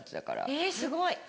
えすごい！